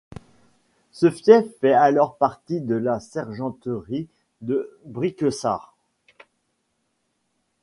Ce fief fait alors partie de la sergenterie de Briquessart.